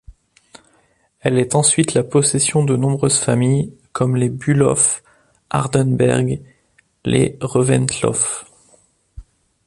Elle est ensuite la possession de nombreuses familles comme les Bülow, Hardenberg, les Reventlow.